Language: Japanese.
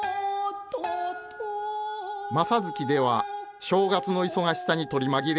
「正月」では正月の忙しさに取り紛れ